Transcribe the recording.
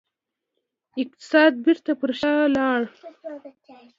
اقتصاد بیرته پر شا لاړ.